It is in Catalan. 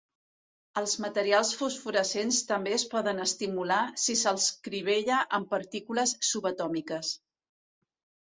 Els materials fosforescents també es poden estimular si se'ls crivella amb partícules subatòmiques.